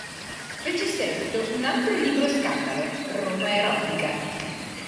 Fece seguito un altro libro-scandalo, "Roma erotica".